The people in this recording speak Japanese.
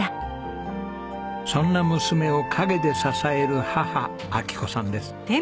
そんな娘を陰で支える母昭子さんです。